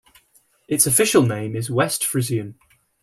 Its official name is West Frisian.